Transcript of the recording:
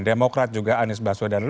demokrat juga anies basudan